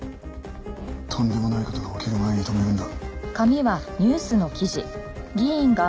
とんでもない事が起きる前に止めるんだ。